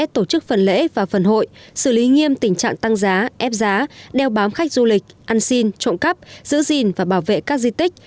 tổ chức phần lễ và phần hội xử lý nghiêm tình trạng tăng giá ép giá đeo bám khách du lịch ăn xin trộm cắp giữ gìn và bảo vệ các di tích